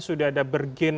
sudah ada bergenre